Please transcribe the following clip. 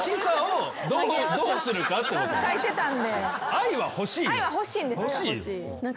愛は欲しいんですか？